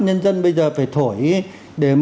nhân dân bây giờ phải thổi để